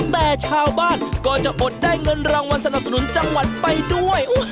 แต่ชาวบ้านก็จะอดได้เงินรางวัลสนับสนุนจังหวัดไปด้วย